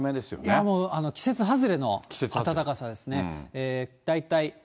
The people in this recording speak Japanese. いや、もう、季節外れの暖かさですね。